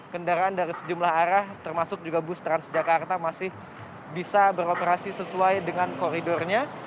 kendaraan dari sejumlah arah termasuk juga bus transjakarta masih bisa beroperasi sesuai dengan koridornya